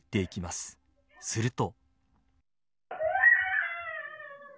すると。